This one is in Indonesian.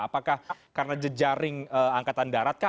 apakah karena jejaring angkatan darat kah